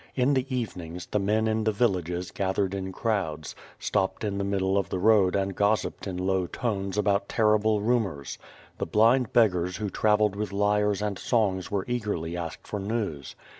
In the evenings, the men in the villages gathered in crowds; stopped in the middle of the road and gossiped in low tones about terrible rumors. The blind beggars who travelled with lyres and songs were eagerly asked for news.